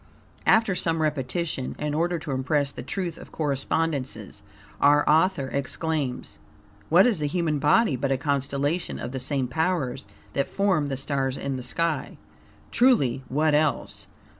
After some repetition, in order to impress the truth of correspondences, our author exclaims: "What is the human body but a constellation of the same powers that formed the stars in the sky?" Truly, what else?